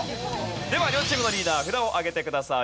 では両チームのリーダー札を上げてください。